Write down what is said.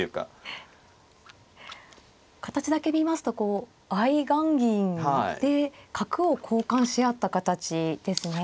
形だけ見ますと相雁木で角を交換し合った形ですね。